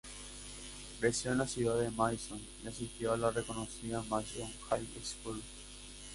Creció en la ciudad de Madison y asistió a la reconocida Madison High School.